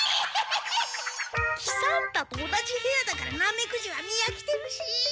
喜三太と同じ部屋だからナメクジは見あきてるし。